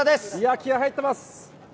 気合い入ってます。